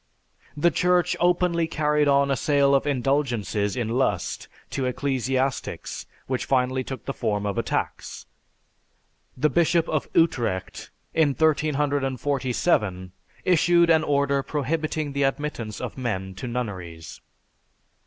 The Church openly carried on a sale of indulgences in lust to ecclesiastics which finally took the form of a tax. The Bishop of Utrecht in 1347 issued an order prohibiting the admittance of men to nunneries.